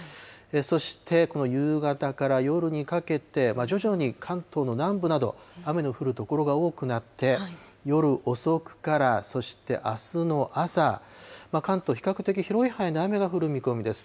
そしてこの夕方から夜にかけて、徐々に関東の南部など、雨の降る所が多くなって、夜遅くから、そしてあすの朝、関東、比較的広い範囲で雨が降る見込みです。